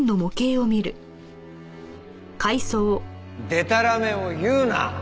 でたらめを言うな！